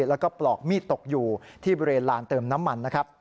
แล้วก็ปลอกมีดตกอยู่ที่บริเวณลานเติมน้ำมันนะครับ